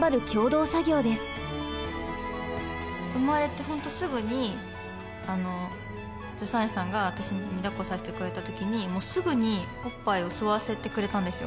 産まれてほんとすぐに助産師さんが私にだっこさせてくれた時にもうすぐにおっぱいを吸わせてくれたんですよ。